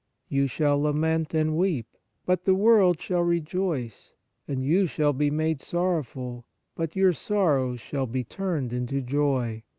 * You shall lament and weep, but the world shall rejoice : and you shall be made sorrowful, but your sorrow shall be turned into joy